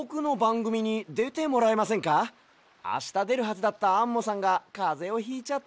あしたでるはずだったアンモさんがかぜをひいちゃって。